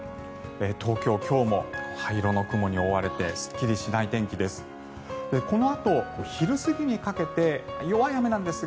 東京、今日も灰色の雲に覆われてすっきりしない天気です。